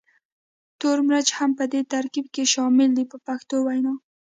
تور مرچ هم په دې ترکیب کې شامل دی په پښتو وینا.